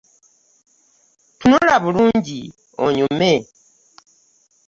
Tunula bulungi onyume.